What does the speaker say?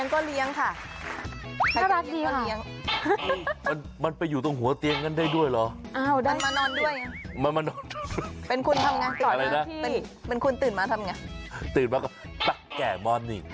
ขอบคุณครับ